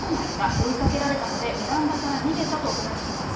追いかけられたので、ベランダから逃げたと話しています。